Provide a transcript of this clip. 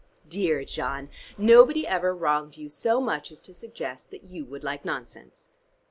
"Dear John, nobody ever wronged you so much as to suggest that you would like nonsense.